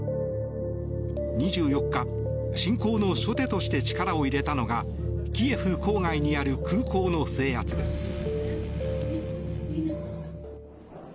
２４日、侵攻の初手として力を入れたのがキエフ郊外にある空港の制圧です。